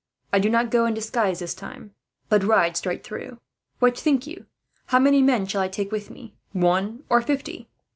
I do not go this time in disguise, but ride straight through. What think you? How many men shall I take with me one, or fifty?"